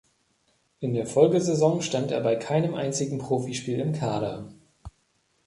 In der Folgesaison stand er bei keinem einzigen Profispiel im Kader.